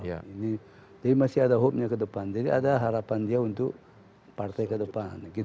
jadi masih ada harapan ke depan jadi ada harapan dia untuk partai ke depan